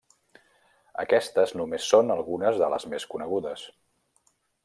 Aquestes només són algunes de les més conegudes.